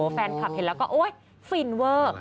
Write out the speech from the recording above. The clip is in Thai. แฟนคลับเห็นแล้วก็โอ๊ยฟินเวอร์